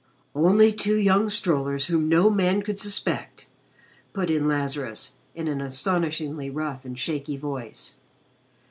"Only two young strollers whom no man could suspect," put in Lazarus in an astonishingly rough and shaky voice.